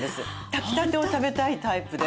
炊きたてを食べたいタイプで。